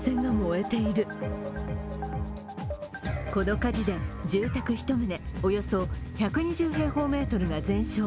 この火事で住宅１棟、およそ１２０平方メートルが全焼。